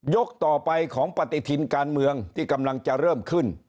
ต่อไปของปฏิทินการเมืองที่กำลังจะเริ่มขึ้น